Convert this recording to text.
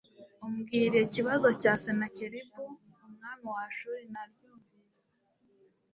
umbwira ikibazo cya senakeribu umwami wa ashuri naryumvise